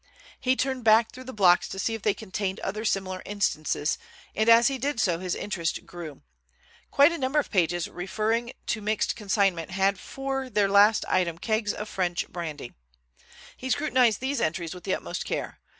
He turned back through the blocks to see if they contained other similar instances, and as he did so his interest grew. Quite a number of the pages referring to mixed consignment had for their last item kegs of French brandy. He scrutinized these entries with the utmost care.